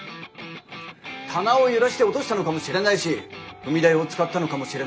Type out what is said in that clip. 棚を揺らして落としたのかもしれないし踏み台を使ったのかもしれない。